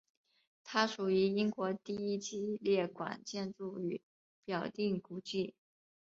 它属于英国第一级列管建筑与表定古迹。